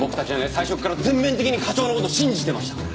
最初から全面的に課長の事信じてましたから。